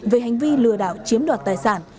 về hành vi lừa đảo chiếm đoạt tài sản